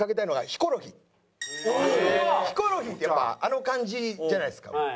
ヒコロヒーがやっぱあの感じじゃないですか。